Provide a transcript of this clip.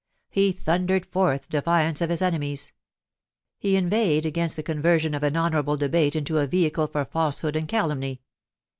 He thundered forth defiance of his enemies. He inveighed against the conversion of an honourable debate into a vehicle for falsehood and calumny.